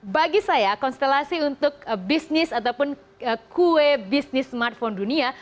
bagi saya konstelasi untuk bisnis ataupun kue bisnis smartphone dunia